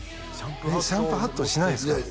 シャンプーハットしないんですか？